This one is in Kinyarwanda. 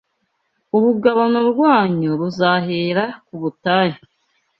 urugabano rwanyu ruzahera ku butayu